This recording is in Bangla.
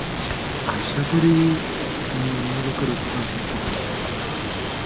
আশা করি, তিনি অন্য লোকের উপকার করতে পারবেন।